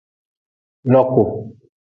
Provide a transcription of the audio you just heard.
Loku.